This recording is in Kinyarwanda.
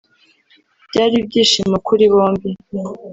Byari ibyishimo kuri bombi